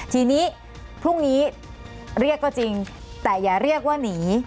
ทีนี้พรุ่งนี้เรียกก็จริงแต่อย่าเรียกว่าหนี